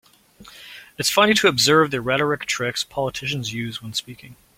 It's funny to observe the rhetoric tricks politicians use when speaking.